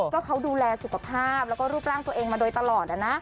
ก็เขาดูแลสุขภาพแล้วก็รูปร่างตัวเองมาโดยตลอด